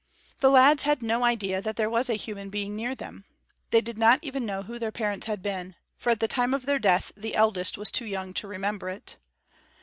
The lads had no idea that there was a human being near them. They did not even know who their parents had been; for at the time of their death, the eldest was too young to remember it.